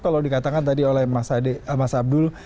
kalau dikatakan tadi oleh mas abdul